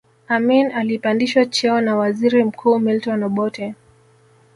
Amin alipandishwa cheo na waziri mkuu Milton Obote